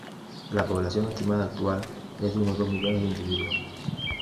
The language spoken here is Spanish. La población estimada actual es de unos dos millones de individuos.